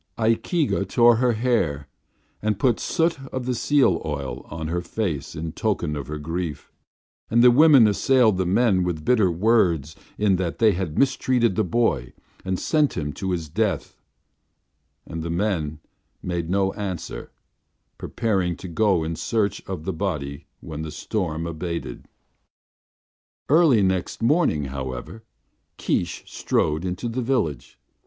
Ikeega tore her hair and put soot of the seal oil on her face in token of her grief; and the women assailed the men with bitter words in that they had mistreated the boy and sent him to his death; and the men made no answer, preparing to go in search of the body when the storm abated. Early next morning, however, Keesh strode into the village.